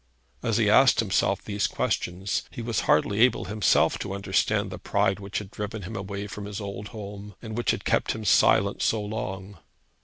As he asked himself these questions, he was hardly able himself to understand the pride which had driven him away from his old home, and which had kept him silent so long.